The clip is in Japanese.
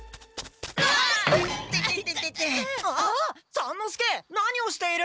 三之助何をしている？